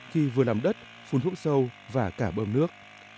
khi vừa làm đất phun hút sâu và cả bơm nước